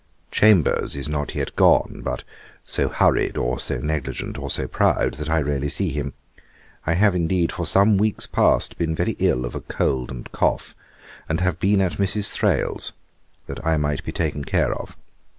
'Chambers is not yet gone, but so hurried, or so negligent, or so proud, that I rarely see him. I have, indeed, for some weeks past, been very ill of a cold and cough, and have been at Mrs. Thrale's, that I might be taken care of.